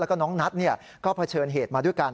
แล้วก็น้องนัทก็เผชิญเหตุมาด้วยกัน